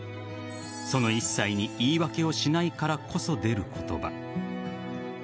その一切に言い訳をしないからこそ出る言葉。